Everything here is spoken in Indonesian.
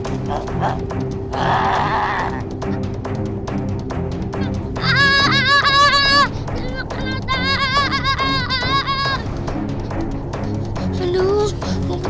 iya yang kayak di film film itu